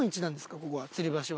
ここはつり橋は。